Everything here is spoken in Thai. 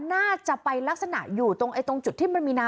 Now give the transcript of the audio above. น่าจะไปลักษณะอยู่ตรงจุดที่มันมีน้ำ